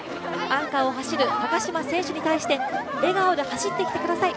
アンカーを走る高島選手に対して、笑顔で走ってきてください。